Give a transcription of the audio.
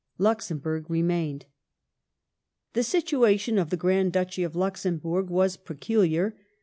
Luxemburg remained. The situation of the Grand Duchy of Luxemburg was peculiar.